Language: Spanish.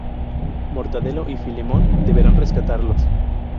Mortadelo y Filemón deberán rescatarlos.